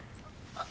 あっ。